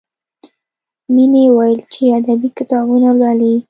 مینې وویل چې ادبي کتابونه لولي